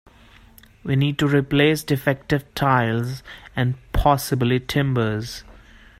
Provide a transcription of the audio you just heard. We need to replace defective tiles, and possibly timbers.